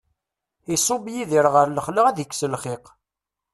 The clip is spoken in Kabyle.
Iṣubb Yidir ɣer lexla ad ikkes lxiq.